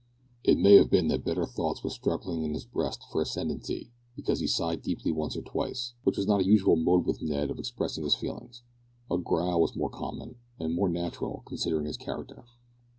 It may have been that better thoughts were struggling in his breast for ascendency, because he sighed deeply once or twice, which was not a usual mode with Ned of expressing his feelings. A growl was more common and more natural, considering his character.